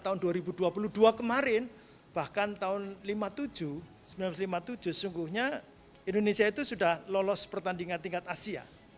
tahun dua ribu dua puluh dua kemarin bahkan tahun lima puluh tujuh sembilan puluh tujuh sungguhnya indonesia itu sudah lolos pertandingan tingkat asia